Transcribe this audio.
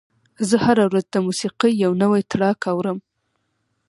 زه هره ورځ د موسیقۍ یو نوی ټراک اورم.